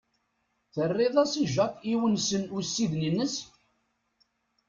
Terriḍ-as i Jacques iwensen ussiden ines?